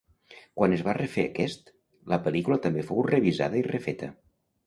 Quan es va refer aquest, la pel·lícula també fou revisada i refeta.